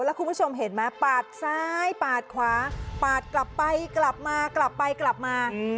และคุณผู้ชมเห็นมั้ยปาดซ้ายปาดขวาปาดกลับไปกลับมา